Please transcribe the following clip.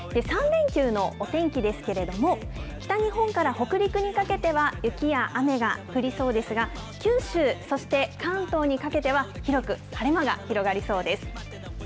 ３連休のお天気ですけれども、北日本から北陸にかけては、雪や雨が降りそうですが、九州、そして関東にかけては、広く晴れ間が広がりそうです。